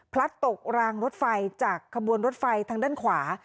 ตกรางรถไฟจากขบวนรถไฟทางด้านขวา